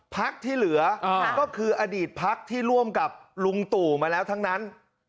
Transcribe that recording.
พักที่เหลือก็คืออดีตพักที่ร่วมกับลุงตู่มาแล้วทั้งนั้น